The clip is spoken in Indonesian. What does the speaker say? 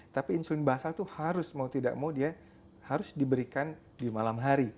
tapi insulin basal itu harus mau tidak mau dia harus diberikan di malam hari